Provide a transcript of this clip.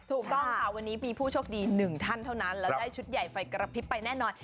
ถูกต้องค่ะวันนี้มีผู้โชคดีหนึ่งท่านเท่านั้นแล้วได้ชุดใหญ่ไฟกระพริบไปแน่นอน